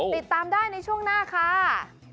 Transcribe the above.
ติดตามได้ในช่วงหน้าค่ะ